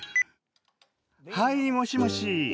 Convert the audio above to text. はいもしもし。